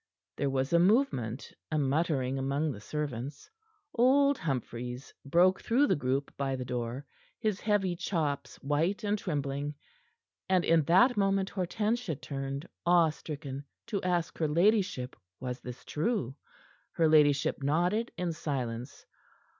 There was a movement, a muttering among the servants. Old Humphries broke through the group by the door, his heavy chops white and trembling, and in that moment Hortensia turned, awe stricken, to ask her ladyship was this true. Her ladyship nodded in silence.